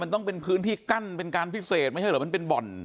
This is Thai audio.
มันต้องเป็นพื้นที่กั้นเป็นการพิเศษไม่ใช่เหรอมันเป็นบ่อน